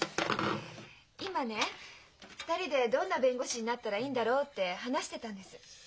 今ね２人でどんな弁護士になったらいいんだろうって話してたんです。